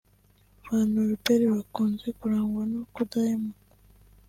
Ba Norbert bakunze kurangwa no kudahemuka